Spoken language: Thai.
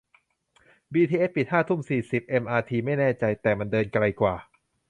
บีทีเอสปิดห้าทุ่มสี่สิบ เอ็มอาร์ทีไม่แน่ใจ แต่มันเดินไกลกว่า